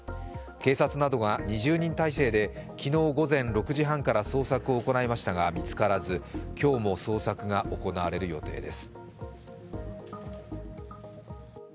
警察などが２０人態勢で、昨日午前６時半から捜索が行われましたが見つからず、今日も捜索が行われる予定です。